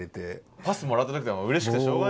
パスもらった時とかうれしくてしょうがないですよね。